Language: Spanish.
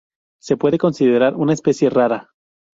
Se puede considerar una especie rara.